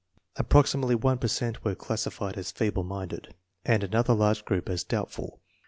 Approxi mately one per cent were classified as feeble minded, and another large group as doubtful.